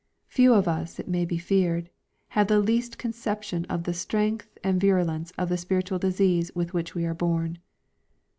Few of us, it may be feared, have the least conception of the strength and virulence of the spiritual disease with which we are born.